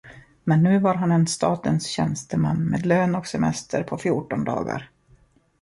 Men nu var han en statens tjänsteman med lön och semester på fjorton dagar.